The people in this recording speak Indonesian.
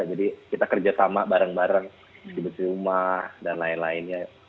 jadi kita kerja sama bareng bareng di besi rumah dan lain lainnya